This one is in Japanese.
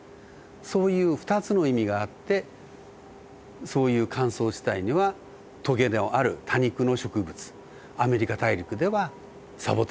そういう２つの意味があってそういう乾燥地帯にはトゲのある多肉の植物アメリカ大陸ではサボテン科の植物